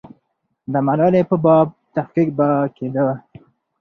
د ملالۍ په باب تحقیق به کېده.